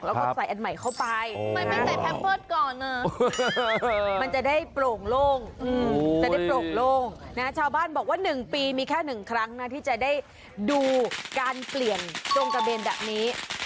แล้วก็ใส่อันใหม่เข้าไปมันจะได้โปร่งลงชาวบ้านบอกว่า๑ปีมีแค่๑ครั้งที่จะได้ดูการเปลี่ยนจงกระเบนแบบนี้